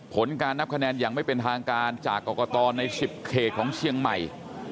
ผลการนับคะแนนอย่างไม่เป็นทางการจากกรกตใน๑๐เขตของเชียงใหม่